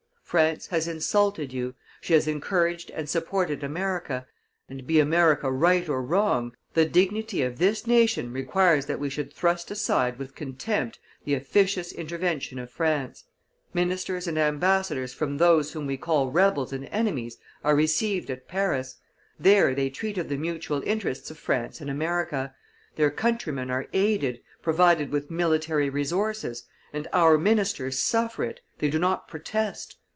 France has insulted you, she has encouraged and supported America, and, be America right or wrong, the dignity of this nation requires that we should thrust aside with contempt the officious intervention of France; ministers and ambassadors from those whom we call rebels and enemies are received at Paris, there they treat of the mutual interests of France and America, their countrymen are aided, provided with military resources, and our ministers suffer it, they do not protest!